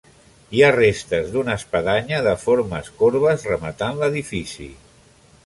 Hi ha restes d'una espadanya de formes corbes rematant l'edifici.